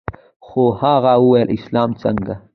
خو هغه وويل اسلام څنگه.